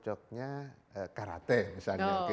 cocoknya karate misalnya gitu